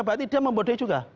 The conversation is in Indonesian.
berarti dia membodohin juga